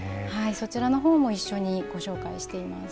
そちらのほうも一緒にご紹介しています。